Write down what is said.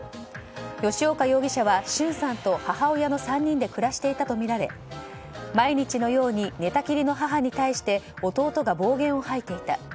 吉岡容疑者は俊さんと母親の３人で暮らしていたとみられ毎日のように寝たきりの母に対して弟が暴言を吐いていた。